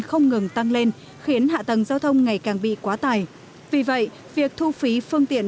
không ngừng tăng lên khiến hạ tầng giao thông ngày càng bị quá tài vì vậy việc thu phí phương tiện